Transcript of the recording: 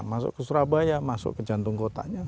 masuk ke surabaya masuk ke jantung kotanya